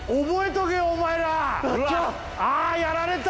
ああやられた！